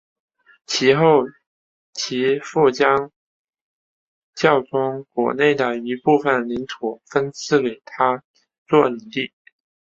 随后其父将教宗国内的一部份领土分赐给他做领地。